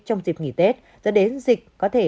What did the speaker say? trong dịp nghỉ tết do đến dịch có thể